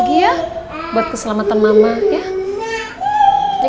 bahagia buat keselamatan mama ya